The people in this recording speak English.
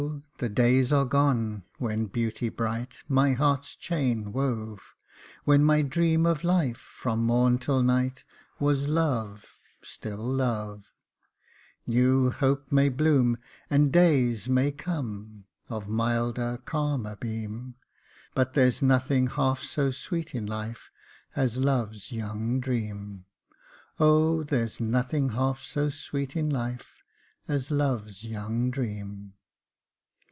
the days are gone when beauty bright My heart's chain wove, When my dream of life, from morn till night Was Love — still Love, New hope may bloom, And days may come, Of milder, calmer beam ; But there's nothing half so sv^eet in life As Love's young dream ; O ! there's nothing half so sweet in life, As Love's young dream."